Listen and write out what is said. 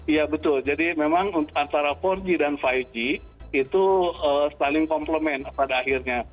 iya betul jadi memang antara empat g dan lima g itu saling komplement pada akhirnya